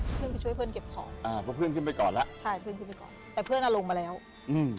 เพื่อนไปช่วยเพื่อนเก็บของอ่าเพราะเพื่อนขึ้นไปก่อนแล้วใช่เพื่อนขึ้นไปก่อนแต่เพื่อนอ่ะลงมาแล้วอืม